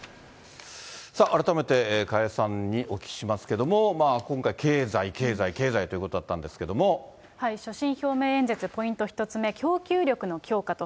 さあ、改めて加谷さんにお聞きしますけれども、今回、経済、経済、経済所信表明演説、ポイント１つ目、供給力の強化と。